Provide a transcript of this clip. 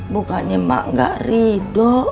bukannya emak gak ridho